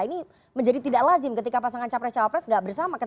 ini menjadi tidak lazim ketika pasangan capres cawapres tidak bersama